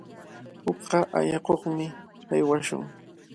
Uqa allakuqmi aywashun.